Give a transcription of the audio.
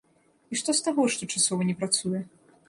І што з таго, што часова не працуе?